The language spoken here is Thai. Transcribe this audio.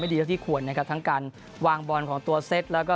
ดีเท่าที่ควรนะครับทั้งการวางบอลของตัวเซตแล้วก็